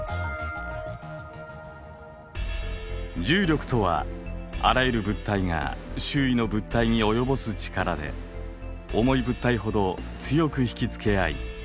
重力とはあらゆる物体が周囲の物体に及ぼす力で重い物体ほど強く引き付けあい